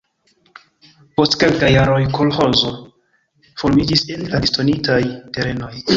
Post kelkaj jaroj kolĥozo formiĝis en la disdonitaj terenoj.